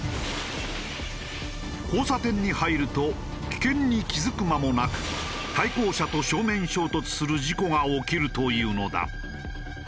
交差点に入ると危険に気付く間もなく対向車と正面衝突する事故が起きるというのだ。